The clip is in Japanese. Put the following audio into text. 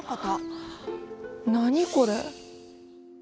何これ？